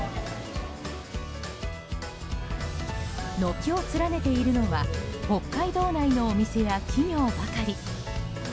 軒を連ねているのは北海道内のお店や企業ばかり。